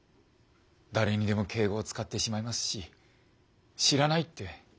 誰にでも敬語を使ってしまいますし「知らない」って平気で言ってしまうし。